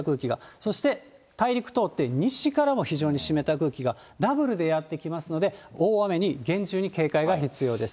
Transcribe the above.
そして大陸通って、西からも非常に湿った空気が、ダブルでやって来ますので、大雨に厳重に警戒が必要です。